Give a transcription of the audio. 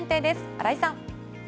荒井さん。